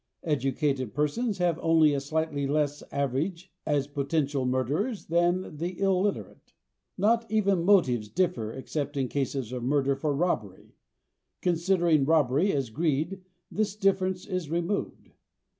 Educated persons have only a slightly less average as potential murderers than the illiterate. Not even motives differ except in cases of murder for robbery. Considering robbery as greed this difference is removed.